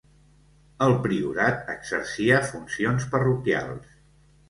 El priorat exercia funcions parroquials.